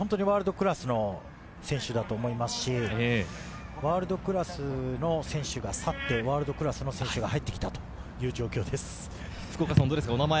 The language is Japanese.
ワールドクラスの選手だと思いますし、ワールドクラスの選手が去って、ワールドクラスの選手が入ってきたという状況です。